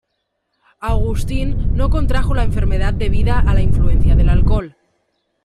Augustin no contrajo la enfermedad debido a la influencia del alcohol.